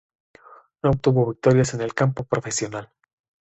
No obtuvo victorias en el campo profesional.